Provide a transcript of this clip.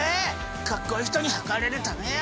かっこいい人にはかれるためや！